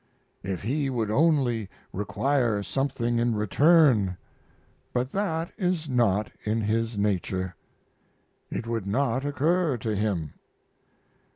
If he would only require something in return but that is not in his nature; it would not occur to him.